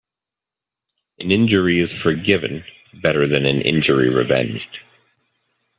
An injury is forgiven better than an injury revenged.